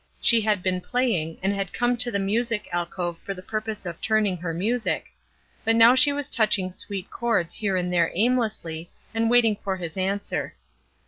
She had been playing, and had come to the music alcove for the purpose of turning her music; but now she was touching sweet chords here and there aimlessly, and waiting for his answer.